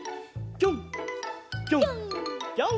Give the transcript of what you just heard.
ぴょんぴょんぴょんぴょん！